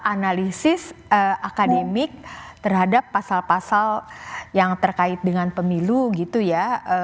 analisis akademik terhadap pasal pasal yang terkait dengan pemilu gitu ya